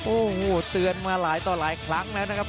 โอ้โหเตือนมาหลายต่อหลายครั้งแล้วนะครับ